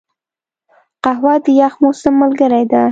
قهوه د یخ موسم ملګرې ده